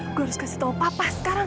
saya harus memberitahu papa sekarang